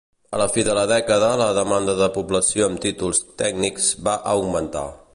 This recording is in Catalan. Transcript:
A la fi de la dècada la demanda de població amb títols tècnics va augmentar.